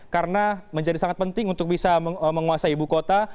karena menjadi sangat penting untuk bisa menguasai ibu kota